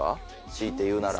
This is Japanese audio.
強いて言うなら。